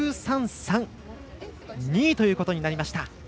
２位ということになりました。